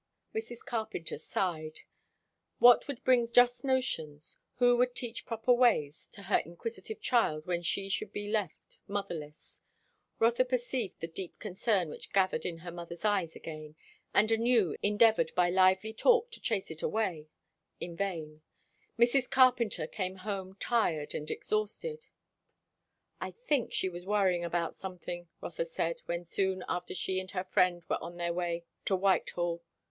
Mrs. Carpenter sighed. What would bring just notions, who would teach proper ways, to her inquisitive child when she should be left motherless? Rotha perceived the deep concern which gathered in her mother's eyes again; and anew endeavoured by lively talk to chase it away. In vain. Mrs. Carpenter came home tired and exhausted. "I think she was worrying about something," Rotha said, when soon after she and her friend were on their way to Whitehall.